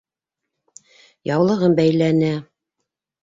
Яулығын бәйләне.